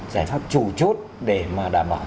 giải pháp trù chốt để mà đảm bảo